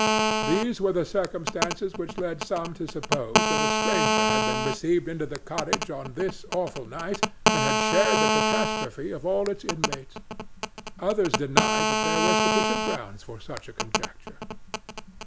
There were circumstances which led some to suppose that a stranger had been received into the cottage on this awful night, and had shared the catastrophe of all its inmates; others denied that there were sufficient grounds for such a conjecture.